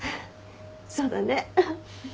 そうだね。